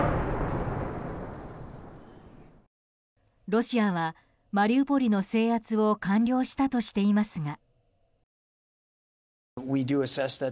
ロシアはマリウポリの制圧を完了したとしていますが。